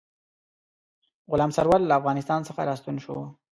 غلام سرور له افغانستان څخه را ستون شو.